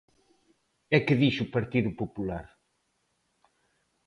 E que dixo o Partido Popular?